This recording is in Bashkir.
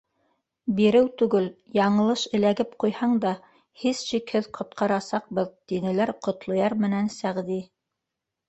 — Биреү түгел, яңылыш эләгеп ҡуйһаң да, һис шикһеҙ, ҡотҡарасаҡбыҙ, — тинеләр Ҡотлояр менән Сәғди.